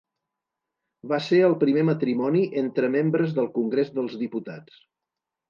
Va ser el primer matrimoni entre membres del Congrés dels Diputats.